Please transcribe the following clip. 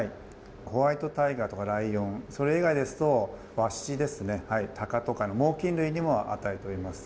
ホワイトタイガーとライオンそれ以外だとワシですねタカとかの猛禽類にも与えております。